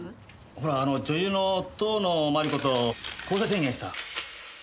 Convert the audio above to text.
ほらあの女優の遠野麻理子と交際宣言した。